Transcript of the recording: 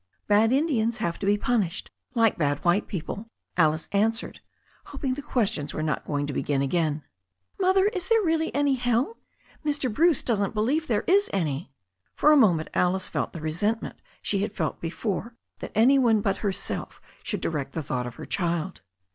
"Bad Indians have to be punished, like bad white people," Alice answered, hoping the questions were not going to be gin again. "Mother, is there really any hell? Mr. Bruce doesn't be lieve there is any." For a moment Alice felt the resentment she had felt before that any one but herself should direct the thought of her child.